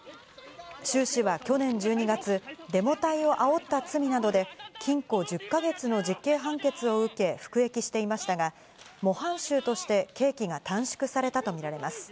周氏は去年１２月、デモ隊をあおった罪などで、禁錮１０か月の実刑判決を受け服役していましたが、模範囚として刑期が短縮されたと見られます。